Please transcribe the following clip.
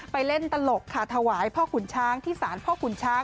ไปเล่นตลกค่ะถวายพ่อขุนช้างที่สารพ่อขุนช้าง